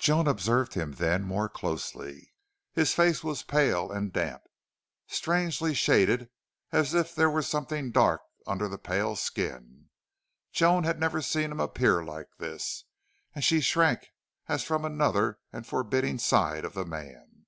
Joan observed him then more closely. His face was pale and damp, strangely shaded as if there were something dark under the pale skin. Joan had never seen him appear like this, and she shrank as from another and forbidding side of the man.